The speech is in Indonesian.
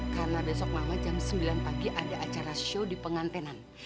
karena besok mama jam sembilan pagi ada acara show di pengantenan